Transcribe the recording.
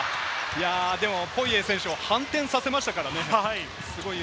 でも、フォーニエ選手を反転させましたからね。